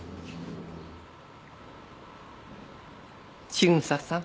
千草さん。